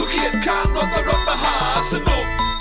อยู่เคียดข้างรถก็รถมหาสนุก